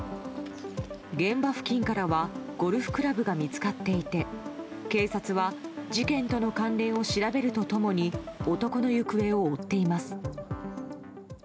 現場付近からはゴルフクラブが見つかっていて警察は事件との関連を調べると共に男の行方を追っています。